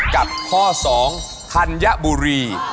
กับข้อสองทัญบุรี